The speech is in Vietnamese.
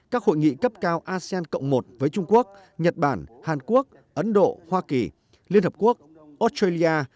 các hội nghị cấp cao asean cộng một với trung quốc nhật bản hàn quốc ấn độ hoa kỳ liên hợp quốc australia